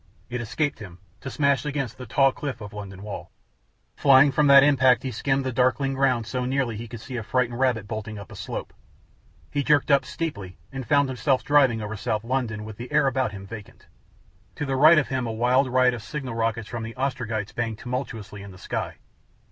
It escaped him, to smash against the tall cliff of London wall. Flying from that impact he skimmed the darkling ground so nearly he could see a frightened rabbit bolting up a slope. He jerked up steeply, and found himself driving over south London with the air about him vacant. To the right of him a wild riot of signal rockets from the Ostrogites banged tumultuously in the sky.